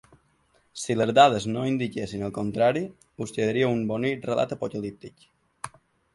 Si les dades no indiquessin el contrari, us quedaria un bonic relat apocalíptic.